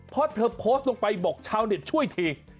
เพราะเธอโพสต์ลงไปบอกชาวเน็ตช่วยที